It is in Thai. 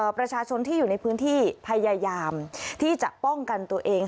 ประชาชนที่อยู่ในพื้นที่พยายามที่จะป้องกันตัวเอง